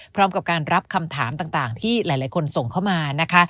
พร้อมกับการรับคำถามต่างที่หลายคนส่งเข้ามานะคะ